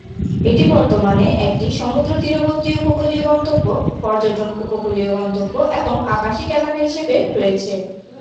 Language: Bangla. এটি বর্তমানে একটি সমুদ্রতীরবর্তী উপকূলীয় গন্তব্য, পর্যটন উপকূলীয় গন্তব্য, এবং আবাসিক এলাকা হিসেবে রয়েছে।